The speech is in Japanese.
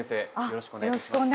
よろしくお願いします